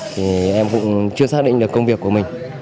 thì em cũng chưa xác định được công việc của mình